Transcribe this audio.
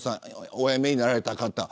お辞めになられた方